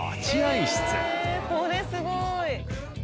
ええこれすごい。